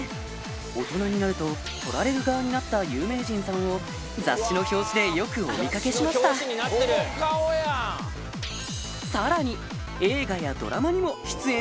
大人になると撮られる側になった有名人さんを雑誌の表紙でよくお見掛けしましたさらに